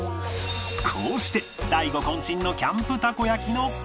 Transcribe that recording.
こうして大悟渾身のキャンプたこ焼きの完成！